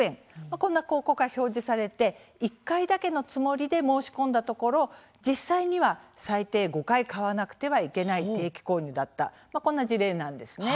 こんな広告が表示されて１回だけのつもりで申し込んだところ実際には最低５回買わなくてはいけない定期購入だったこんな事例なんですね。